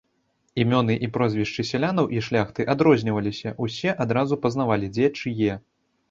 Імёны і прозвішчы сялянаў і шляхты адрозніваліся, усе адразу пазнавалі, дзе чые.